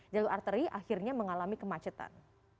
jalur arteri akhirnya mengalami kemacetan